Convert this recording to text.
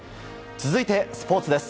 続いて、スポーツです。